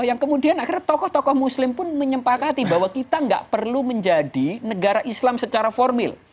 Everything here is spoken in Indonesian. yang kemudian akhirnya tokoh tokoh muslim pun menyempakati bahwa kita nggak perlu menjadi negara islam secara formil